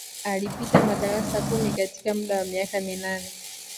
Alipita madarasa kumi katika muda wa miaka minane